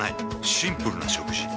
シンプルな食事。